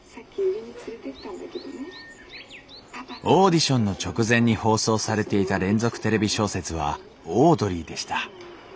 オーディションの直前に放送されていた「連続テレビ小説」は「オードリー」でした。